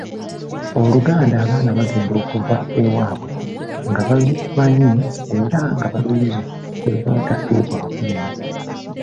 Oluganda abaana bagenda okuva ewaabwe nga balumanyi era nga baluyize kye luva lutafiibwako nnyo.